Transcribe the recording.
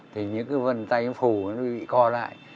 thì những cái vần tay nó phủ nó bị co lại